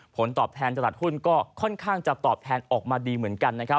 ผลตอบแทนจากหลัดหุ้นก็ค่อนข้างจะตอบแทนออกมาดีเหมือนกัน